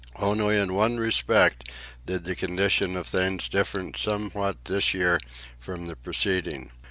Only in one respect did the condition of things differ somewhat this year from the preceding.